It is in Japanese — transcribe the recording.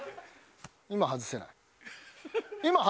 今外せない。